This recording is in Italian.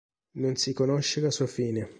Non si conosce la sua fine.